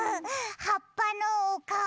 はっぱのおかお？